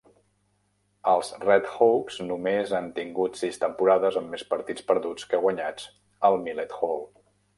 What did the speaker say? Els RedHawks només han tingut sis temporades amb mes partits perduts que guanyats al Millett Hall.